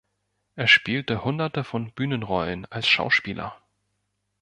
Er spielte Hunderte von Bühnenrollen als Schauspieler.